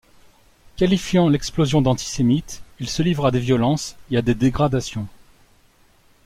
Qualifiant l'exposition d'antisémite, ils se livrent à des violences et à des dégradations.